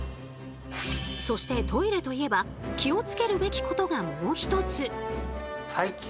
そしてトイレといえば気を付けるべきことがもうひとつ。